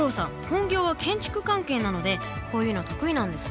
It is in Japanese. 本業は建築関係なのでこういうの得意なんですね。